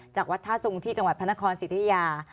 จากวัดท่าสุงที่จังหวัดพระนครสิทธิยา